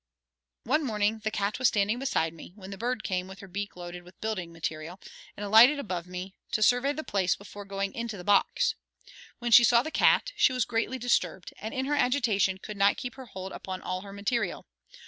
One morning the cat was standing by me, when the bird came with her beak loaded with building material, and alighted above me to survey the place before going into the box. When she saw the cat, she was greatly disturbed, and in her agitation could not keep her hold upon all her material.